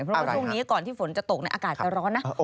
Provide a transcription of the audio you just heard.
เพราะว่าช่วงนี้ก่อนที่ฝนจะตกในอากาศจะร้อนนะ